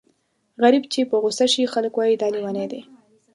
غريب چې په غوسه شي خلک وايي دا لېونی دی.